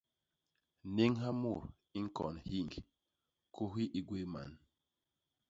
Néñha mut i ñkon hiñg, kohi i gwéé man.